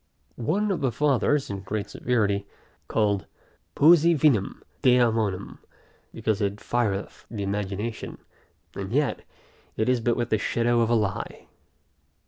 One of the fathers, in great severity, called poesy vinum daemonum, because it fireth the imagination; and yet, it is but with the shadow of a lie.